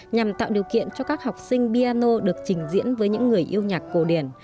nhằm tạo điều kiện cho các học sinh myano được trình diễn với những người yêu nhạc cổ điển